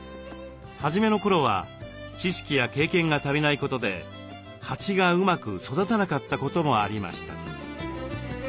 初めの頃は知識や経験が足りないことで蜂がうまく育たなかったこともありました。